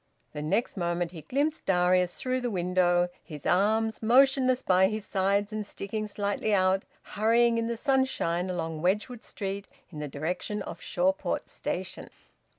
The next moment he glimpsed Darius through the window, his arms motionless by his sides and sticking slightly out; hurrying in the sunshine along Wedgwood Street in the direction of Shawport station.